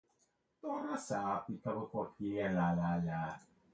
He was a disciple of his father, the painter Manuel Maria Bordalo Pinheiro.